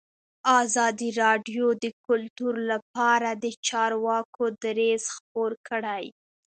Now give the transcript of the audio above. ازادي راډیو د کلتور لپاره د چارواکو دریځ خپور کړی.